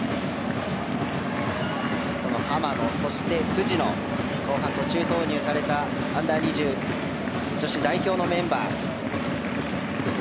浜野、そして藤野後半、途中投入されたＵ‐２０女子代表のメンバー。